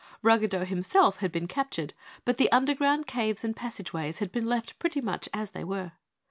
Ruggedo himself had been captured, but the underground caves and passageways had been left pretty much as they were.